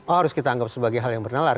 oh harus kita anggap sebagai hal yang bernalar